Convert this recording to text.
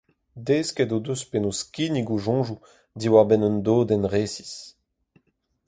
Desket o deus penaos kinnig o soñjoù diwar-benn un dodenn resis.